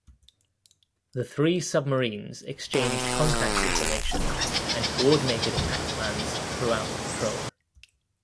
The three submarines exchanged contact information and coordinated attack plans throughout the patrol.